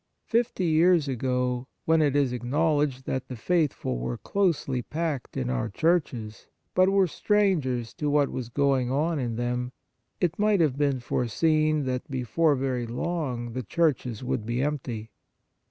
Fifty years ago, when it is acknow ledged that the faithful were closely packed in our churches, but were strangers to what was going on in them, it might have been foreseen that before very long the churches would be empty.